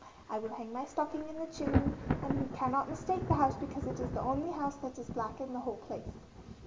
I will hang my stockin in the chimly and he cannot mistake the house becaus it is the only house that is black in the hole place.